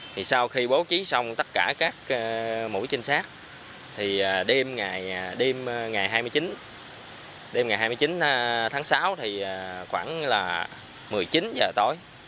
thì sau khi bố trí xong tất cả các mũi trinh sát thì đêm ngày hai mươi chín tháng sáu thì khoảng là một mươi chín h tối